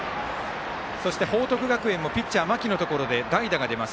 そして、報徳学園もピッチャー、間木のところで代打が出ます。